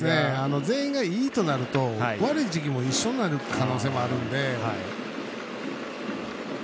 全員がいいとなると悪い時期が一緒になる可能性もあるんで。